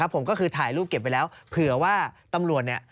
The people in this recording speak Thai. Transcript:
ผมก็คือถ่ายรูปเก็บไว้แล้วเผื่อว่าตำรวจเนี่ย